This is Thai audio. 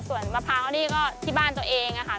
ส่วนมะพร้าวอรี่ก็ที่บ้านตัวเองค่ะ